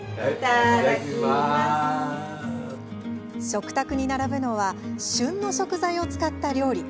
食卓に並ぶのは旬の食材を使った料理。